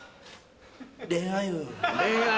恋愛運。